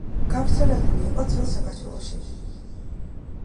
გავრცელებული იყო ძველ საქართველოში.